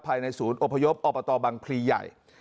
ภายในศูนย์อพยพอตบังพลีใหญ่